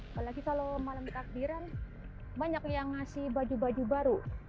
apalagi kalau malam takbiran banyak yang ngasih baju baju baru